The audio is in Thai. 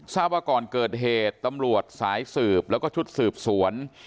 ทราบว่าก่อนเกิดเหตุตำรวจสายสืบแล้วก็ชุดสืบสวน